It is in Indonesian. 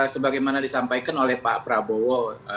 sebagaimana disampaikan oleh pak prabowo